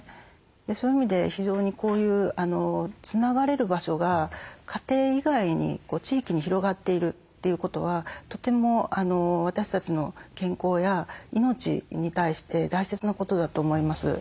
そういう意味で非常にこういうつながれる場所が家庭以外に地域に広がっているということはとても私たちの健康や命に対して大切なことだと思います。